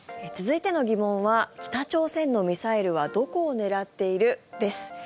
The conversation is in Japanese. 続いての疑問は北朝鮮のミサイルはどこを狙っている？です。